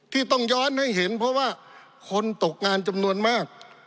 ที่ต้องย้อนให้เห็นเพราะว่าคนตกงานจำนวนมาก